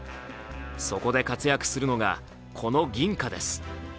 そこで活躍するのがこの銀貨です。